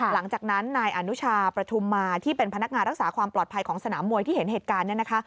หลังจากนั้นนายอนุชาประทุมมาที่เป็นพนักงานรักษาความปลอดภัยของสนามมวยที่เห็นเหตุการณ์เนี่ยนะคะ